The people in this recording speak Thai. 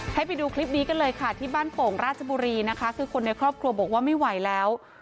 ให้ไปดูคลิปนี้กันเลยค่ะที่บ้านโป่งราชบุรีนะคะคือคนในครอบครัวบอกว่าไม่ไหวแล้ว